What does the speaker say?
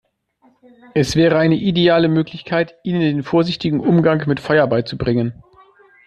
Es wäre eine ideale Möglichkeit, ihnen den vorsichtigen Umgang mit Feuer beizubringen.